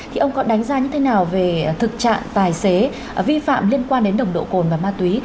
thì ông có đánh giá như thế nào về thực trạng tài xế vi phạm liên quan đến nồng độ cồn và ma túy